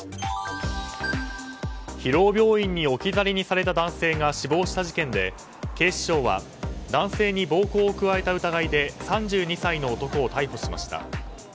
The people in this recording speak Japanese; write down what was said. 広尾病院に置き去りにされた男性が死亡した事件で、警視庁は男性に暴行を加えた疑いで３２歳の男を逮捕しました。